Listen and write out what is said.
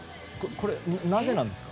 これ、なぜなんですか？